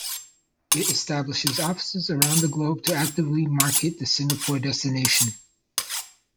It establishes offices around the globe to actively market the Singapore destination.